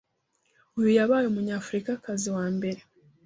Uyu yabaye Umunyafurikakazi wa mbere